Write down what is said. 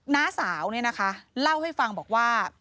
น้าสาวเนี่ยนะคะเล่าให้ฟังบอกว่า